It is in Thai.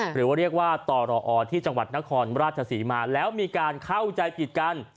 หรือว่าเรียกว่าตรอที่จังหวัดนครราชศรีมาแล้วมีการเข้าใจผิดกัน